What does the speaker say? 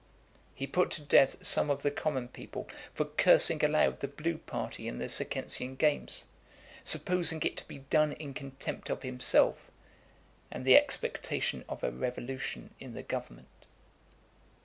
He put to death some of the common people for cursing aloud the blue party in the Circensian games; supposing it to be done in contempt of himself, and the expectation of a revolution in the government.